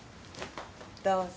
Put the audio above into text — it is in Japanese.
どうぞ。